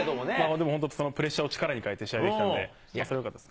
でも本当、そのプレッシャーを力に変えて試合できたので、それはよかったです。